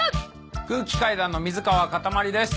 空気階段の水川かたまりです。